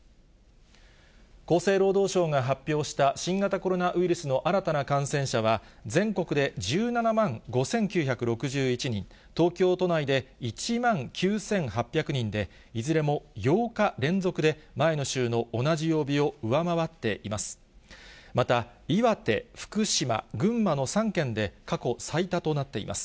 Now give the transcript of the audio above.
厚生労働省が発表した、新型コロナウイルスの新たな感染者は全国で１７万５９６１人、東京都内で１万９８００人で、いずれも８日連続で前の週の同じ曜日を上回っています。